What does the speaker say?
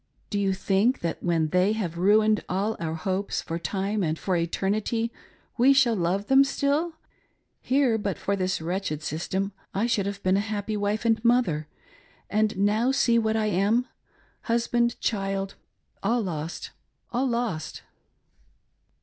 Do you think that when they have ruined all our hopes for time and for eternity we shall love them still .' Here, but for this wretched system, I should have been a happy wife and mother, and now see what I am — husband, child, all lost — all lost